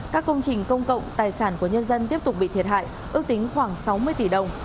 các công trình công cộng tài sản của nhân dân tiếp tục bị thiệt hại ước tính khoảng sáu mươi tỷ đồng